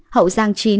hậu giang chín